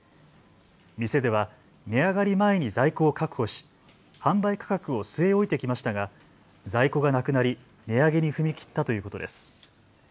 店では値上がり前に在庫を確保し販売価格を据え置いてきましたが在庫がなくなり値上げに踏み切ったということです。